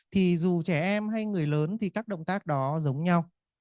thì dù trẻ em hay người lớn thì các động tác đó giống nhau